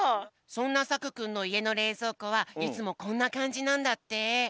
そんなさくくんのいえのれいぞうこはいつもこんなかんじなんだって。